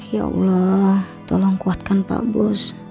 ya allah tolong kuatkan pak bus